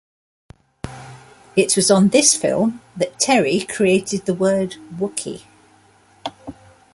It was on this film that Terry created the word Wookie.